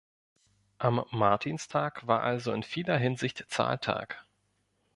Am Martinstag war also in vieler Hinsicht Zahltag.